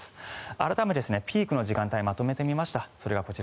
改めてピークの時間帯をまとめてみました。